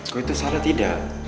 kok itu salah tidak